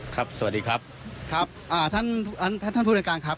สวัสดีครับครับอ่าท่านท่านผู้รายการครับ